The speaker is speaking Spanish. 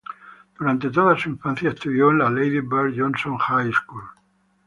Durante toda su infancia estudió en "Lady Bird Johnson High School".